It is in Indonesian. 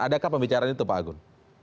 adakah pembicaraan itu pak agun